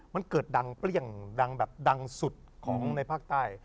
มันเกิดดังเปรี้ยงดังแบบดังสุดของในภาคใต้